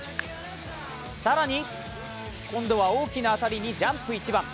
更に今度は大きな当たりにジャンプ一番。